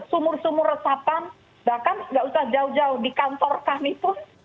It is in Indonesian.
sumur sumur resapan bahkan nggak usah jauh jauh di kantor kami pun